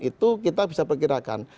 itu kita bisa perkirakan